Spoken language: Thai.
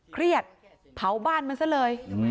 เครียดเผาบ้านมันซะเลย